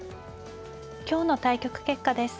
今日の対局結果です。